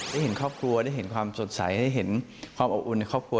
ได้เห็นครอบครัวได้เห็นความสดใสได้เห็นความอบอุ่นในครอบครัว